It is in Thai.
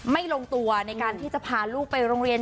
ลงตัวในการที่จะพาลูกไปโรงเรียน